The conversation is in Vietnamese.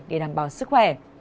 để đảm bảo sức khỏe